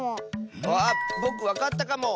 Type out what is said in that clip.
あっぼくわかったかも！